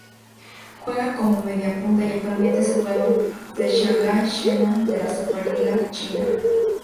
Juega como mediapunta y actualmente es jugador del Shanghái Shenhua de la Superliga China.